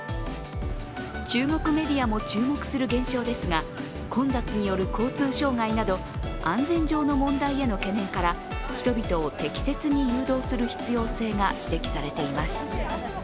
中国メディアも注目する現象ですが混雑による交通障害など安全上の問題への懸念から人々を適切に誘導する必要性が指摘されています。